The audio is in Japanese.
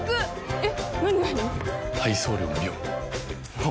・えっ？